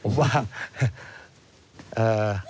ผมว่าเอ่อ